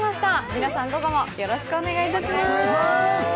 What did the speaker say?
皆さん、午後もよろしくお願いいたします。